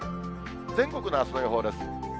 全国のあすの予報です。